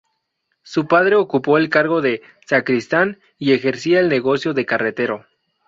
Su padre ocupó el cargo de sacristán y ejercía el negocio de carretero.